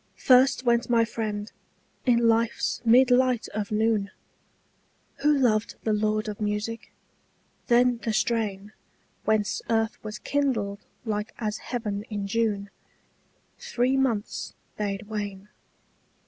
First went my friend, in life's mid light of noon, Who loved the lord of music: then the strain Whence earth was kindled like as heaven in June Three months bade wane.